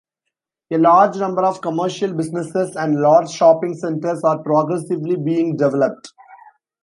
A large number of commercial businesses, and large shopping centers are progressively being developed.